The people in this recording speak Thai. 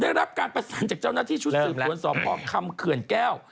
ได้รับการประสานจากเจ้าหน้าที่ชุดสืบสวนสพคำเขื่อนแก้ว